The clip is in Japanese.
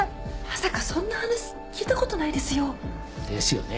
まさかそんな話聞いたことないですよ。ですよね。